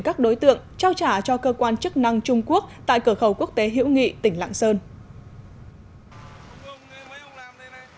các đối tượng trao trả cho cơ quan chức năng trung quốc tại cửa khẩu quốc tế hữu nghị tỉnh lạng sơn